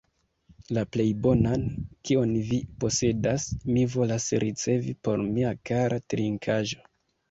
La plej bonan, kion vi posedas, mi volas ricevi por mia kara trinkaĵo!